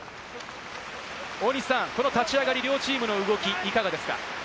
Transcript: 大西さん、立ち上がりの両チームの動き、いかがですか？